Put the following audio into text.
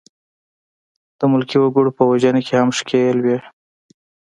د ملکي خلکو په وژنه کې هم ښکېل وې.